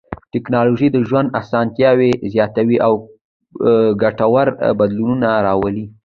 ټکنالوژي د ژوند اسانتیاوې زیاتوي او ګټور بدلونونه راولي.